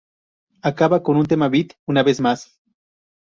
Acaba con un tema beat, "Una vez más".